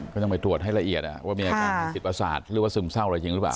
ก็ต้องไปตรวจให้ละเอียดว่ามีอาการจิตประสาทหรือว่าซึมเศร้าอะไรจริงหรือเปล่า